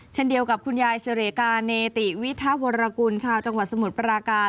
ฉันเดียวกับคุณยายเซเลเรกาเนติวิทหวรกุณท์ชาวจังหวัดศมุตรประาการ